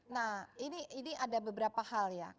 nah ini ada beberapa hal ya